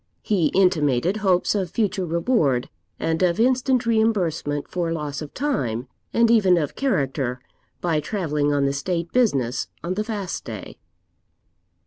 He intimated hopes of future reward, and of instant reimbursement for loss of time, and even of character, by travelling on the state business on the fast day.